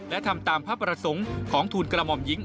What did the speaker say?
และทำตามพระประสงค์ของทูลกระหม่อมหญิง